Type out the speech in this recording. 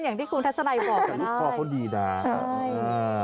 อย่างที่คุณทัชไลน์บอกว่าได้แต่ลูกพ่อเขาดีด่าใช่